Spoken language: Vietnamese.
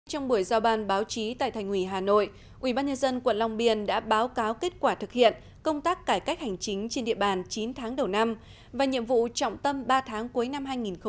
trong buổi giao ban báo chí tại thành ủy hà nội ubnd quận long biên đã báo cáo kết quả thực hiện công tác cải cách hành chính trên địa bàn chín tháng đầu năm và nhiệm vụ trọng tâm ba tháng cuối năm hai nghìn một mươi chín